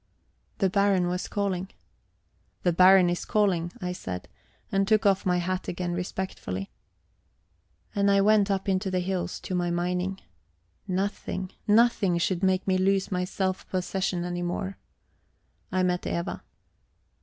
The Baron was calling. "The Baron is calling," I said, and took off my hat again respectfully. And I went up into the hills, to my mining. Nothing, nothing should make me lose my self possession any more. I met Eva.